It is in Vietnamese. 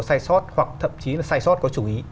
sai sót hoặc thậm chí là sai sót có chủ ý